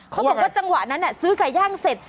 เขาบอกว่าจังหวะนั้นซื้อไก่ย่างเสร็จ